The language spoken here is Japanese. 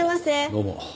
どうも。